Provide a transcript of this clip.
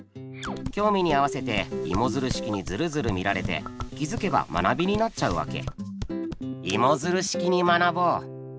興味に合わせてイモヅル式にヅルヅル見られて気づけば学びになっちゃうわけ。